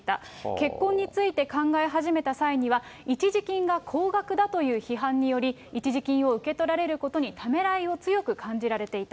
結婚について考え始めた際には、一時金が高額だという批判により、一時金を受け取られることにためらいを強く感じられていた。